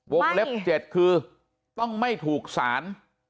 เล็บ๗คือต้องไม่ถูกสาร